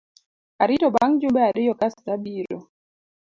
Arito bang’ jumbe ariyo kasto abiro.